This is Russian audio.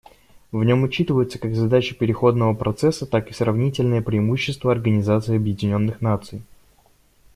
В нем учитываются как задачи переходного процесса, так и сравнительные преимущества Организации Объединенных Наций.